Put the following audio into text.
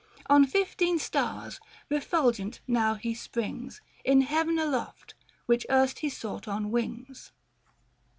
On fifteen stars, refulgent, now he springs, 495 In heaven aloft which erst he sought on wings.